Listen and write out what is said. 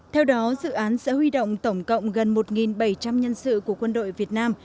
theo đó dự án sẽ huy động tổng cộng gần một bảy trăm linh nhân sự của quân đội việt nam